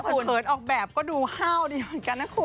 เผินออกแบบก็ดูห้าวดีเหมือนกันนะคุณ